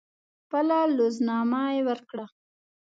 خپله لوز نامه ورکړه.